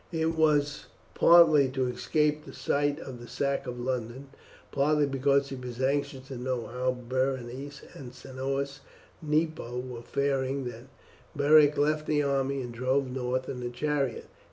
It was partly to escape the sight of the sack of London, partly because he was anxious to know how Berenice and Cneius Nepo were faring that Beric left the army, and drove north in a chariot.